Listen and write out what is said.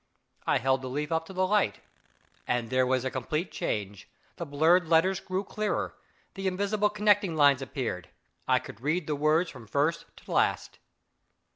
I held the leaf up to the light and there was a complete change: the blurred letters grew clearer, the invisible connecting lines appeared I could read the words from first to last.